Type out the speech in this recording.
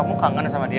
kamu kangen sama dia